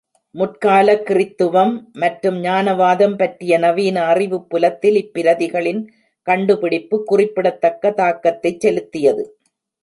முற்கால கிறித்துவம் மற்றும் ஞானவாதம் பற்றிய நவீன அறிவுப்புலத்தில் இப்பிரதிகளின் கண்டுபிடிப்பு குறிப்பிடத்தக்க தாக்கத்தைச் செலுத்தியது.